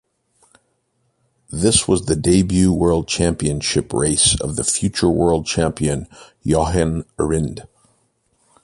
This was the debut World Championship race of the future world champion Jochen Rindt.